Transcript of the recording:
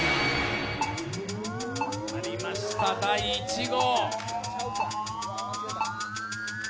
ありました、第１号。